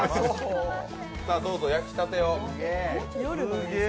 さあ、どうぞ焼きたてを。